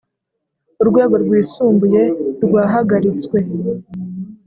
urwego Rwisumbuye rwahagaritswe